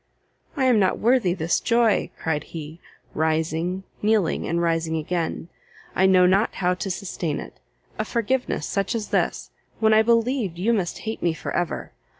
"I am not worthy this joy!" cried he, rising, kneeling, and rising again; "I know not how to sustain it! a forgiveness such as this, when I believed You must hate me for ever!